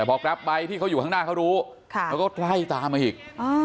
พอแกรปไบท์ที่เขาอยู่ข้างหน้าเขารู้เขาก็ไล่ตามมาอีก